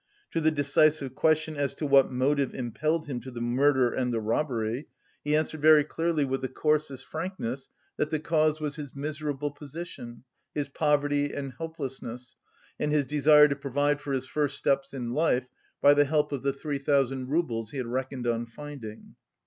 To the decisive question as to what motive impelled him to the murder and the robbery, he answered very clearly with the coarsest frankness that the cause was his miserable position, his poverty and helplessness, and his desire to provide for his first steps in life by the help of the three thousand roubles he had reckoned on finding.